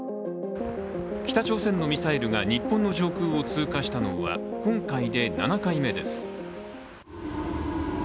北朝鮮のミサイルが日本の上空を通過したのは今回で７回目です。